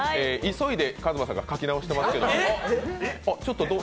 急いで、ＫＡＺＭＡさんが書き直してますけど。